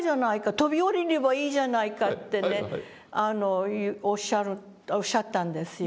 飛び降りればいいじゃないか」っておっしゃったんですよ。